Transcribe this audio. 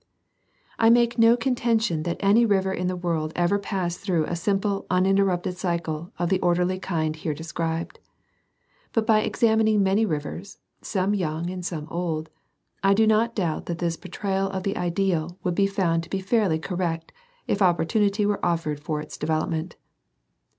— I make no contention that any river in the world ever passed through a simple uninterrupted cycle of the orderly kind here described. But by examining many rivers, some young and some old, I do not doubt that this portrayal of the ideal would be found to be fairly correct if opportunity were offered for its development.